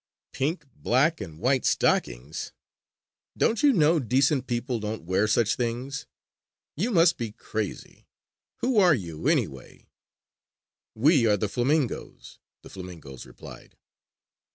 "Pink, black and white stockings! Don't you know decent people don't wear such things? You must be crazy! Who are you, anyway?" "We are the flamingoes," the flamingoes replied.